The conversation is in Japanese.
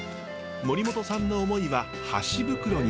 森本さんの思いは箸袋に。